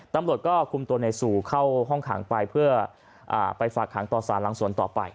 ตำรวจก็คุมตัวในสู่เข้าห้องขังไปเพื่อไปฝากหางต่อสารหลังสวนต่อไป